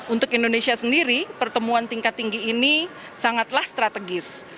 untuk indonesia sendiri pertemuan tingkat tinggi ini sangatlah strategis